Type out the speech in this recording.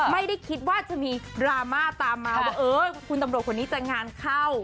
ไม่ได้คิดว่าจะมีดราม่าตามมาว่าเออคุณตำรวจคนนี้จะงานเข้า